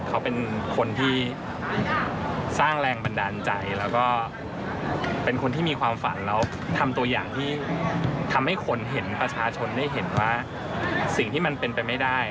เขาเป็นคนที่สร้างแรงบันดาลใจแล้วก็เป็นคนที่มีความฝันแล้วทำตัวอย่างที่ทำให้คนเห็นประชาชนได้เห็นว่าสิ่งที่มันเป็นไปไม่ได้